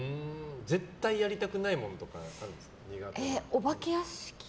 絶対やりたくないものとかあるんですか？